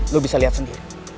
lo bisa lihat sendiri